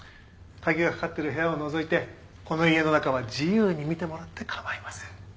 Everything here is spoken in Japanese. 鍵がかかってる部屋を除いてこの家の中は自由に見てもらって構いません。